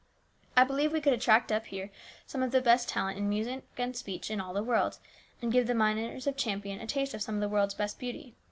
I believe we could attract up here some of the best talent in music and speech in all the world, and give the miners of Champion a taste of some of the world's best beauty.